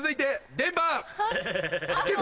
デンバー。